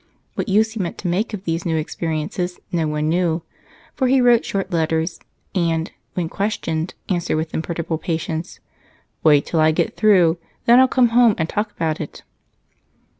What use he meant to make of these new experiences no one knew, for he wrote short letters and, when questioned, answered with imperturbable patience: "Wait till I get through; then I'll come home and talk about it."